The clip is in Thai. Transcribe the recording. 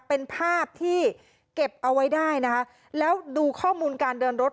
เป็นภาพที่เก็บเอาไว้ได้นะคะแล้วดูข้อมูลการเดินรถ